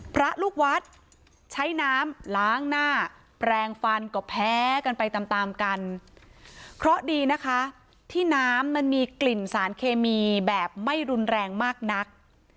พระลูกวัดใช้น้ำล้างหน้าแปลงฟันก็แพ้กันไปตามตามกันเพราะดีนะคะที่น้ำมันมีกลิ่นสารเคมีแบบไม่รุนแรงมากนัก